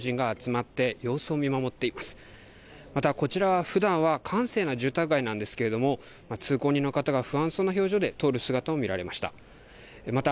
また、こちらはふだんは閑静な住宅街なんですが通行人の方が不安そうな表情で通る姿が見られました。